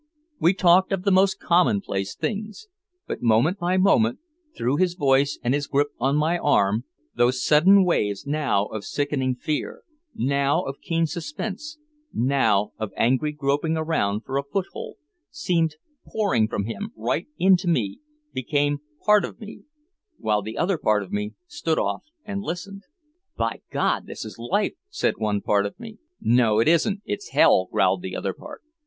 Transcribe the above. We talked of the most commonplace things. But moment by moment, through his voice and his grip on my arm, those sudden waves now of sickening fear, now of keen suspense, now of angry groping around for a foothold, seemed pouring from him right into me, became part of me while the other part of me stood off and listened. "By God, this is life!" said one part of me. "No, it isn't; it's hell," growled the other part.